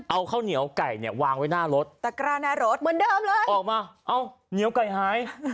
เอาข้าวเหนียวไก่เนี่ยวางไว้หน้ารถตะกร้าหน้ารถเหมือนเดิมเลยออกมาเอ้าเหนียวไก่หาย